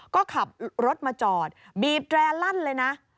ก็ขับรถมาจอดบีบแร่ลั่นเลยนะ